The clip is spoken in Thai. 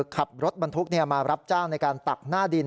ขับรถบรรทุกมารับจ้างในการตักหน้าดิน